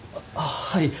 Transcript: はい。